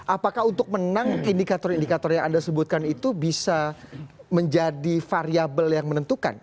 apakah untuk menang indikator indikator yang anda sebutkan itu bisa menjadi variable yang menentukan